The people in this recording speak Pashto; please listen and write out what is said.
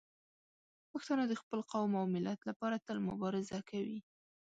پښتانه د خپل قوم او ملت لپاره تل مبارزه کوي.